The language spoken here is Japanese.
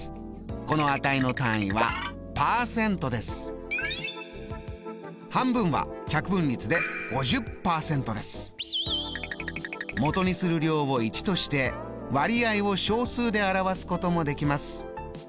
この値の単位は半分は百分率でもとにする量を１として割合を小数で表すこともできます。